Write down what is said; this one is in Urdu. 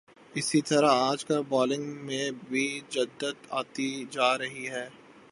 اسی طرح آج کل بلاگنگ میں بھی جدت آتی جا رہی ہے